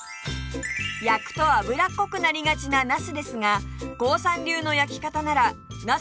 焼くと油っこくなりがちななすですがコウさん流の焼き方ならなす